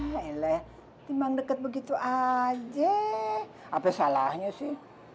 ya elah ini rum deket begitu aja apa salahnya sih